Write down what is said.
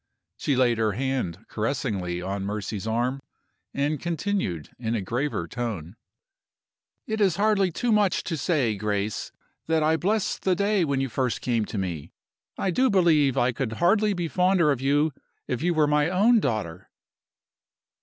She laid her hand caressingly on Mercy's arm, and continued, in a graver tone: "It is hardly too much to say, Grace, that I bless the day when you first came to me. I do believe I could be hardly fonder of you if you were my own daughter."